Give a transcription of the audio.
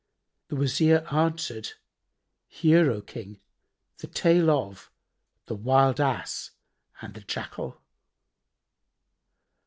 the Wazir answered, "Hear, O King, the tale of The Wild Ass and the Jackal.